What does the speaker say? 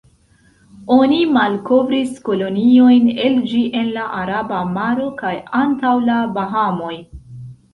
Oni malkovris koloniojn el ĝi en la Araba maro kaj antaŭ la Bahamoj.